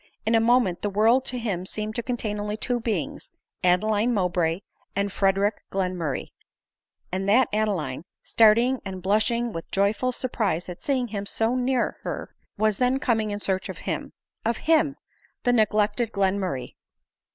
In a moment the world to him seemed to contain only two beings, Adeline Mow bray and Frederic Glenmurray ; and that Adeline, starting and blushing with joyful surprise at seeing him so near l. 1 ¥« i f t 30 ADELINE MOWBRAY. her, was then coming in search of him !— of him, the ne glected Glenmurray